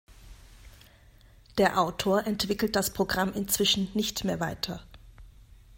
Der Autor entwickelt das Programm inzwischen nicht mehr weiter.